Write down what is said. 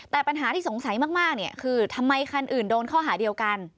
แต่ปัญหาที่สงสัยมากเนี่ยคือทำไมคันอื่นโดนข้อหาเดียวกัน